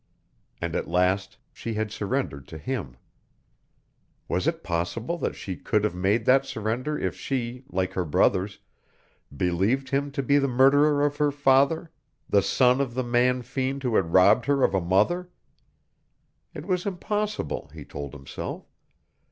And at last she had surrendered to him. Was it possible that she could have made that surrender if she, like her brothers, believed him to be the murderer of her father the son of the man fiend who had robbed her of a mother? It was impossible, he told himself.